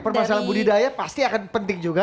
permasalahan budidaya pasti akan penting juga